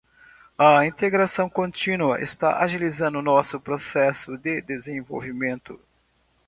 A integração contínua está agilizando nosso processo de desenvolvimento.